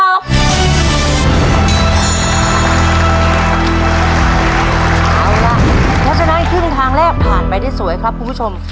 เอาล่ะเพราะฉะนั้นครึ่งทางแรกผ่านไปได้สวยครับคุณผู้ชม